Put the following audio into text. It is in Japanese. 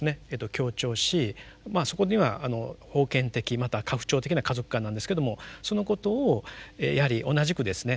強調しそこには封建的または家父長的な家族観なんですけどもそのことをやはり同じくですね